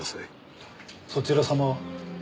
そちら様は？